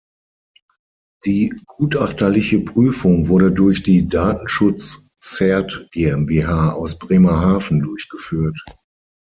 Die gutachterliche Prüfung wurde durch die „datenschutz cert GmbH“ aus Bremerhaven durchgeführt.